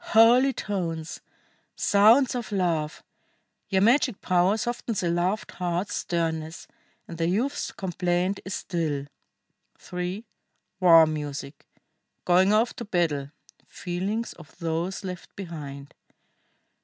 Holy tones! Sounds of love! Your magic power softens the loved heart's sternness, and the youth's complaint is still." [III. WAR MUSIC. GOING OFF TO BATTLE. FEELINGS OF THOSE LEFT BEHIND.